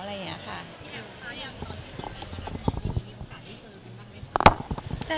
พี่พี่ฃ่าตอนที่เขากับฝ์หนยุน